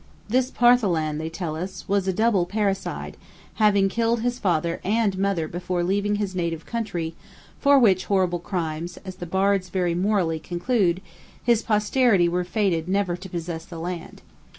This Partholan, they tell us, was a double parricide, having killed his father and mother before leaving his native country, for which horrible crimes, as the Bards very morally conclude, his posterity were fated never to possess the land.